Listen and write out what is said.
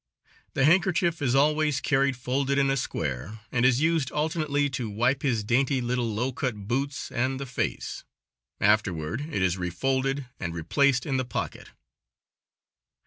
The handkerchief is always carried folded in a square, and is used alternately to wipe his dainty little low cut boots and the face. Afterward it is refolded and replaced in the pocket.